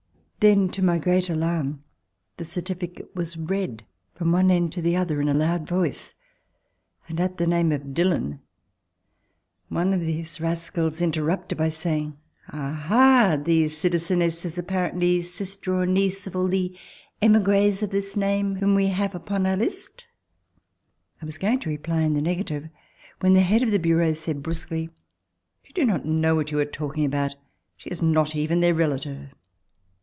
Then to my great alarm the certificate was read from one end to the other in a loud voice, and at the name of Dillon, one of these rascals interrupted by saying: "Ah! ah! the citizeness is apparently sister or niece of all the emigres of this name whom we DECISION TO LEAVE FRANCE have upon cnir list?" I was ^oing to rc'|)lv in the negative, when the head of tlic Bureau said brus(juely, "You do not know what you are talking about. She is not even their relative."